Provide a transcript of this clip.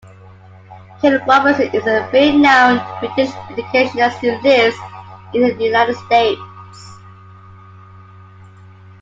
Ken Robinson is a renowned British educationist who lives in the United States.